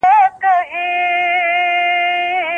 ولسي جرګه پر دولتي ادارو نيوکي کوي.